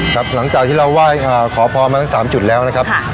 หลังจากที่เราไหว้ขอพรมาทั้ง๓จุดแล้วนะครับ